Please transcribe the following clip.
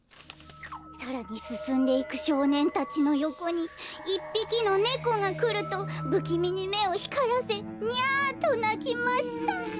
「さらに進んでいく少年たちのよこにいっぴきのねこが来ると不気味にめをひからせ『ニャ』となきました」。